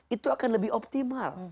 itu akan lebih optimal